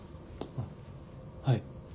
あっはい。